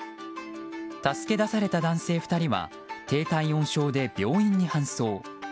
助け出された男性２人は低体温症で病院に搬送。